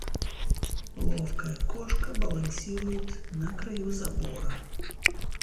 Ловкая кошка балансирует на краю забора.